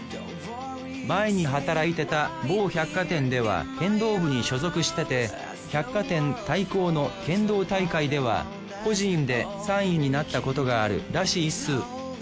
前に働いてた某百貨店では剣道部に所属してて百貨店対抗の剣道大会では個人で３位になったことがあるらしいっす。